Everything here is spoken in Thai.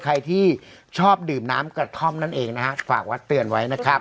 ใครที่ชอบดื่มน้ำกระท่อมนั่นเองนะฮะฝากวัดเตือนไว้นะครับ